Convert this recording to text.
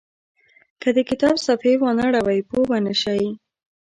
که د کتاب صفحې وانه ړوئ پوه به نه شئ.